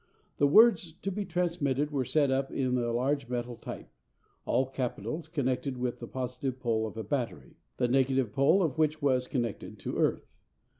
The words to be transmitted were set up in large metal type, all capitals, connected with the positive pole of a battery, the negative pole of which was connected to earth.